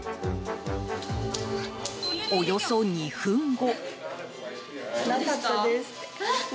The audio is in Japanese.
およそ２分後。